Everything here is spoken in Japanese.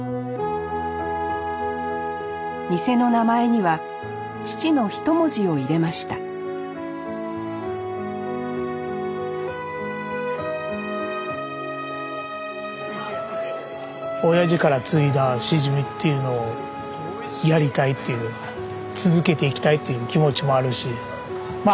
店の名前には父のひと文字を入れました親父から継いだしじみっていうのをやりたいっていう続けていきたいっていう気持ちもあるしまあ